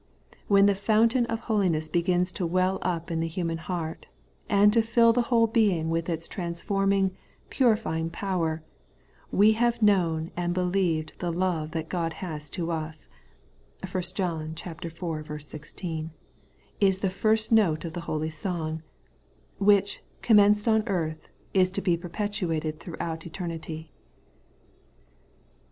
When the fountain of holi ness begins to well up in the human heart, and to fill the whole being with its transforming, purifying power, 'We have known and believed the love that God has to us ' (1 John iv. 1 6) is the first note of the holy song, which, commenced on earth, is to be perpetuated through eternity.